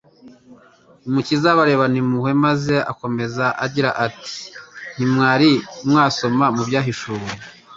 Umukiza abarebana impuhwe maze akomeza agira ati : «Ntimwari mwasoma mu Byanditswe